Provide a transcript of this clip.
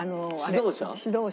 指導者？